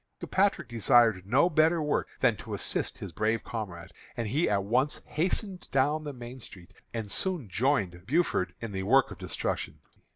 Kilpatrick desired no better work than to assist his brave comrade, and he at once hastened down the main road, and soon joined Buford in the work of destruction.